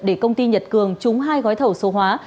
để công ty nhật cường trúng hai gói thầu số hóa